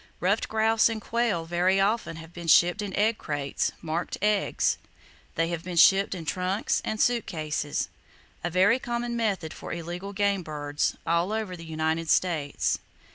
Ruffed grouse and quail very often have been shipped in egg crates, marked "eggs." They have been shipped in trunks and suit cases,—a very [Page 67] common method for illegal game birds, all over the United States.